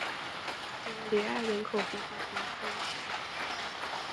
弗尔里埃人口变化图示